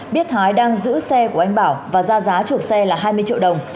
biết thái đang giữ xe của anh bảo và ra giá chuộc xe là hai mươi triệu đồng